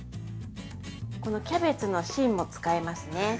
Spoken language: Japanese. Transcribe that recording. ◆このキャベツの芯も使いますね。